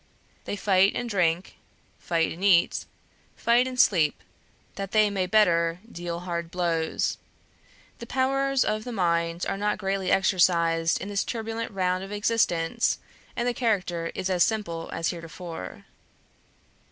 They fight and drink, fight and eat, fight and sleep, that they may the better deal hard blows; the powers of the mind are not greatly exercised in this turbulent round of existence, and the character is as simple as heretofore.